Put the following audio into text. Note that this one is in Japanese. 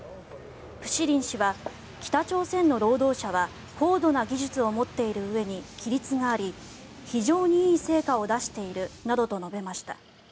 プシリン氏は北朝鮮の労働者は高度な技術を持っているうえに規律があり非常にいい成果を出しているなどと述べました。